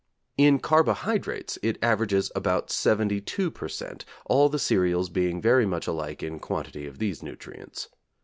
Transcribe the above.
In carbohydrates it averages about seventy two per cent., all the cereals being very much alike in quantity of these nutrients.